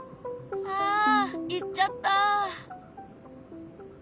あ行っちゃった。